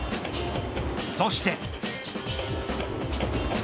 そして。